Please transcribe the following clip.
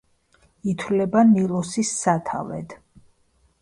ითვლება ნილოსის სათავედ.